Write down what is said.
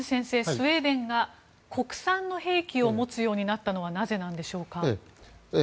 スウェーデンが国産の兵器を持つようになったのはなぜなんでしょうか。